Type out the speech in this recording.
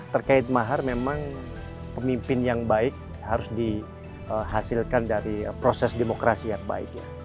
terkait mahar memang pemimpin yang baik harus dihasilkan dari proses demokratis